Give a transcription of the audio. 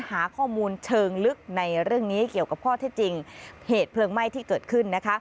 หาข้อมูลเชิงลึกในเรื่องนี้เกี่ยวกับข้อเท็จจริงเหตุเพลิงไหม้ที่เกิดขึ้นนะคะ